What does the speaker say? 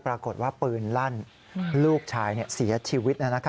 ปรากฏว่าปืนลั่นลูกชายเสียชีวิต